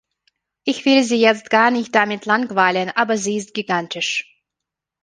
Ich will Sie jetzt gar nicht damit langweilen, aber sie ist gigantisch.